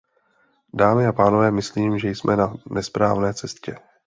Dámy a pánové, myslím, že jsme na nesprávné cestě.